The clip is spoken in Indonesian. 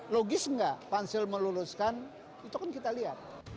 logis nggak pansel meluluskan itu kan kita lihat